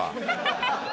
ハハハ！